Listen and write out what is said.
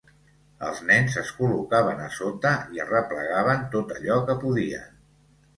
Els nens es col·locaven a sota i arreplegaven tot allò que podien.